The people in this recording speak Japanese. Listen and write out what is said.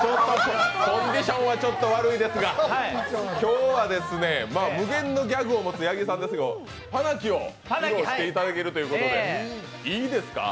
コンディションはちょっと悪いですが今日は、無限のギャグを持つ八木さんですがパナキを披露していただけるということで、いいですか？